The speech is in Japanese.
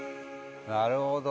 なるほど。